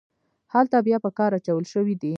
هلته بیا په کار اچول شوي دي.